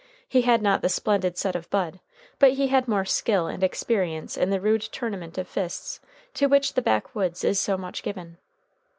He had not the splendid set of Bud, but he had more skill and experience in the rude tournament of fists to which the backwoods is so much given.